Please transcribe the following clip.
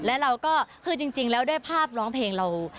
และเราก็คือจริงแล้วด้วยภาพร้องเพลงเรา